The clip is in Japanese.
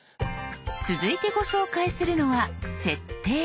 続いてご紹介するのは「設定」。